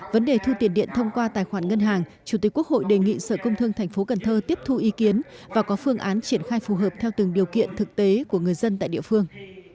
vấn đề thu tiền điện thông qua tài khoản ngân hàng chủ tịch quốc hội đề nghị sở công thương tp cần thơ tiếp thu ý kiến và có phương án triển khai phù hợp theo từng điều kiện thực tế của người dân tại địa phương